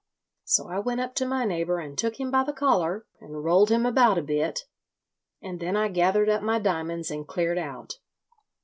So I went up to my neighbour and took him by the collar, and rolled him about a bit, and then I gathered up my diamonds and cleared out.